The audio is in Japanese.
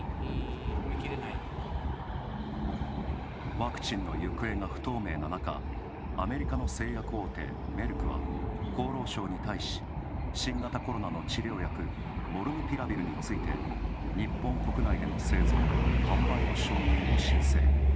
ワクチンの行方が不透明な中、アメリカの製薬大手メルクは厚労省に対し、新型コロナの治療薬モルヌピラビルについて日本国内での製造・販売の承認を申請。